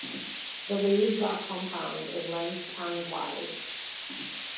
The leaves are compound, in length, and wide.